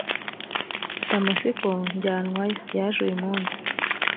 damasiko njyanwayo yajeuyumunsi